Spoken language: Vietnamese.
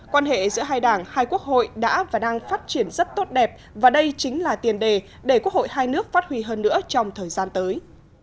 quan hệ giữa hai đảng hai quốc hội đã và đang phát triển rất tốt đẹp và đây chính là tiền đề để quốc hội hai nước phát huy hơn nữa trong thời gian tới